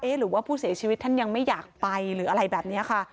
หรือว่าผู้เสียชีวิตท่านยังไม่อยากไปหรืออะไรแบบนี้ค่ะ